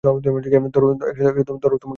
ধরো, তোমার ল্যাটে।